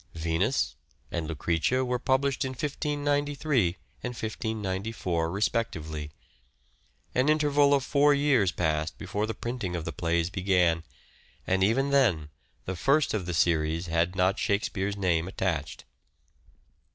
" Venus " and " Lucrece " were published in 1593 and 1594 respectively : an interval of four years passed before the printing of the plays began, and even then the first of the series had not Shakespeare's name attached.